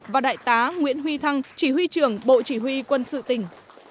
và đại tá nguyễn huy thăng chỉ huy trưởng bộ chỉ huy quân sự tỉnh